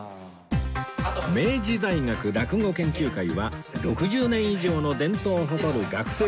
明治大学落語研究会は６０年以上の伝統を誇る学生サークル